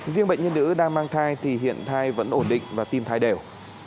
riêng bệnh nhân nữ đang mang thai thì hiện thai vẫn ổn định và tim thai đều